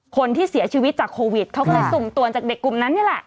คนที่เสียชีวิตจากโควิดเขาก็เลยสุ่มตรวจจากเด็กกลุ่มนั้นนี่แหละ